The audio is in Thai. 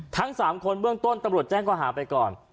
ทั้ง๓คนเบื้องต้นตำรวจแจ้งข้อหาไปก่อน